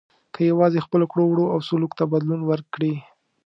که یوازې خپلو کړو وړو او سلوک ته بدلون ورکړي.